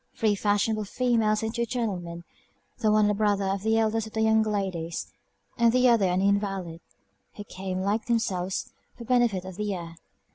Three fashionable females, and two gentlemen; the one a brother of the eldest of the young ladies, and the other an invalid, who came, like themselves, for the benefit of the air.